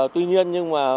tuy nhiên nhưng mà